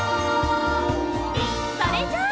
それじゃあ。